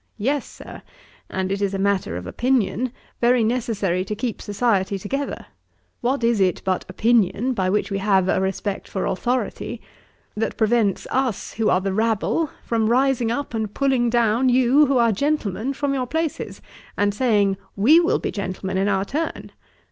'Yes, Sir, and it is a matter of opinion, very necessary to keep society together. What is it but opinion, by which we have a respect for authority, that prevents us, who are the rabble, from rising up and pulling down you who are gentlemen from your places, and saying "We will be gentlemen in our turn"?